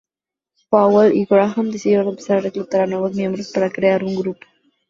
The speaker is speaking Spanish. Powell y Graham decidieron empezar a reclutar a nuevos miembros para crear un grupo.